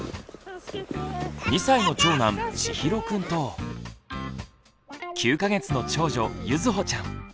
２歳の長男ちひろくんと９か月の長女ゆずほちゃん。